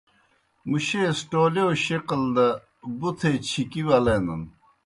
مُشیئے سہ ٹولِیؤ شکل دہ بُتھے چِھکی ولینَن۔